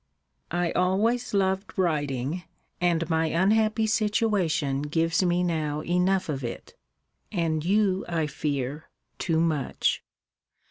I always loved writing, and my unhappy situation gives me now enough of it; and you, I fear, too much.